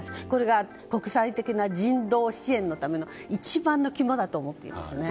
これが国際的な人道支援のための一番の肝だと思っています。